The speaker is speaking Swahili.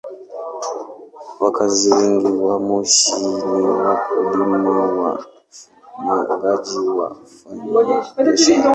Wakazi wengi wa Moshi ni wakulima, wafugaji na wafanyabiashara.